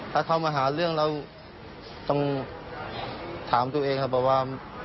ถ้าเขามาหาเรื่องเราต้องถามตัวเองครับบอกว่า